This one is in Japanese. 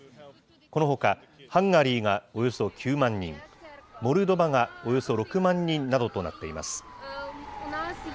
このほか、ハンガリーがおよそ９万人、モルドバがおよそ６万人などとなっています。